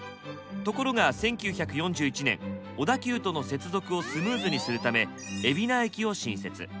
ところが１９４１年小田急との接続をスムーズにするため海老名駅を新設。